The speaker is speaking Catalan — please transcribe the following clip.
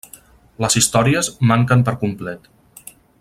Les històries manquen per complet.